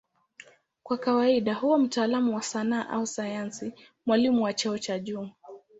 Kwa kawaida huwa mtaalamu wa sanaa au sayansi, mwalimu wa cheo cha juu.